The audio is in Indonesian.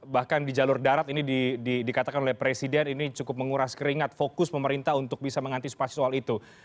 bahkan di jalur darat ini dikatakan oleh presiden ini cukup menguras keringat fokus pemerintah untuk bisa mengantisipasi soal itu